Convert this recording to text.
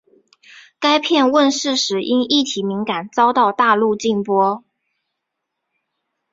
该片问世时因议题敏感遭到大陆禁播。